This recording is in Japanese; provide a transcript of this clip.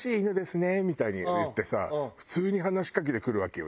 みたいに言ってさ普通に話しかけてくるわけよ